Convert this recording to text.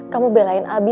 kamu belain abi